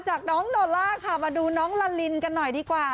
จากน้องโนล่าค่ะมาดูน้องลาลินกันหน่อยดีกว่า